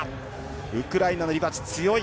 ウクライナのリバチ、強い。